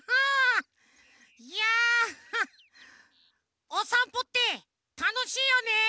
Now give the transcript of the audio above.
いやハッおさんぽってたのしいよね！